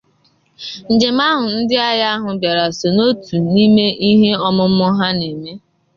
Njem ahụ ndị agha ahụ bịara so n'otu n'ime ihe ọmụmụ ha na-eme